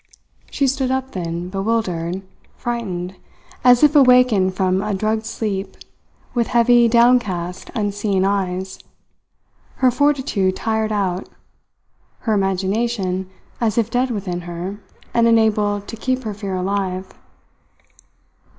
She stood up then, bewildered, frightened, as if awakened from a drugged sleep, with heavy, downcast, unseeing eyes, her fortitude tired out, her imagination as if dead within her and unable to keep her fear alive.